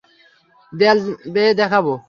দেয়াল বেয়ে দেখাবো?